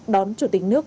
đón chủ tịch nước